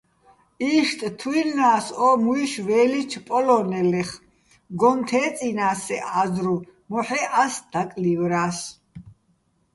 იშტ თუჲლნა́ს ო მუჲში̆ ვე́ლიჩო̆ პოლო́ნელეხ, გოჼ თე́წჲინას სე ა́ზრუვ, მოჰ̦ე́ ას დაკლივრა́ს.